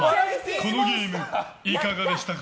このゲームいかがでしたか？